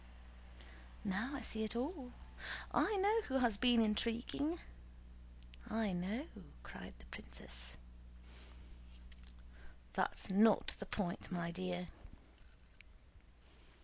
"Now I see it all! I know who has been intriguing—I know!" cried the princess. "That's not the point, my dear."